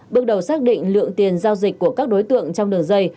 bước đầu xác định lượng tiền giao dịch của các đối tượng trong đường dây